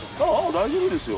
△大丈夫ですよ